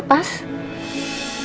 waktu masih dilap pas